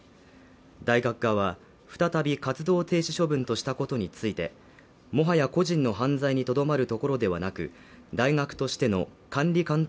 大学側は再び活動停止処分としたことについてもはや個人の犯罪にとどまるところではなく大学としての管理監督